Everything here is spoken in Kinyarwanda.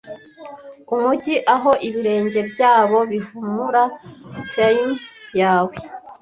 umujyi aho ibirenge byabo bihumura tme yawe